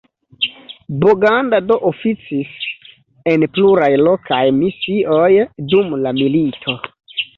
Boganda do oficis en pluraj lokaj misioj dum la milito.